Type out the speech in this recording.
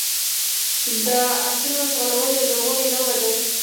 د اسونو ځغلول یوه لرغونې لوبه ده.